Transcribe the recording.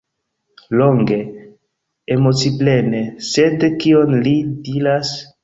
Longe, emociplene, sed kion li diras?